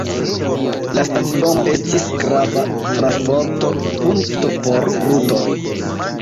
La stacidomo estis grava transporto-punkto por brutoj.